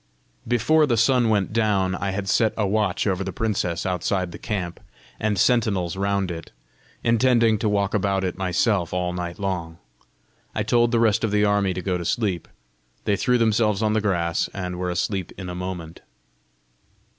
Before the sun went down, I had set a watch over the princess outside the camp, and sentinels round it: intending to walk about it myself all night long, I told the rest of the army to go to sleep. They threw themselves on the grass and were asleep in a moment.